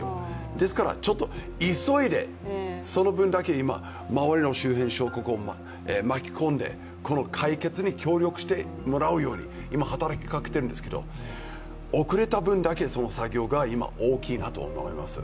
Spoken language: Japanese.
ですからちょっと急いでその分だけ、周りの周辺諸国を巻き込んでこの解決に協力してもらうように今、働きかけてるんですけど遅れた分だけ、その作業が今大きいなと思います。